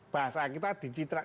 bahasa kita dicitra